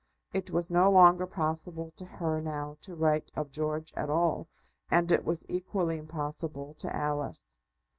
It was no longer possible to her now to write of George at all, and it was equally impossible to Alice.